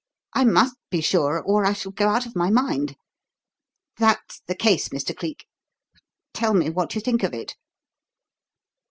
I must be sure or I shall go out of my mind. That's the 'case,' Mr. Cleek tell me what you think of it."